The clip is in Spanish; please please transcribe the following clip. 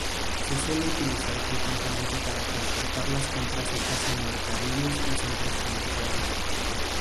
Se suele utilizar frecuentemente para transportar las compras hechas en mercadillos y centros comerciales.